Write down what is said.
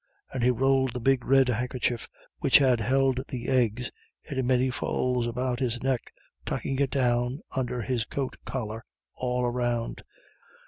And he rolled the big red handkerchief which had held the eggs into many folds about his neck, tucking it down under his coat collar all round.